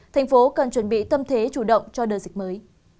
thành phố cần chuẩn bị tâm thế chủ động cho đợt dịch mới